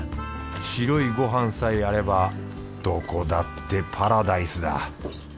白いごはんさえあればどこだってパラダイスだ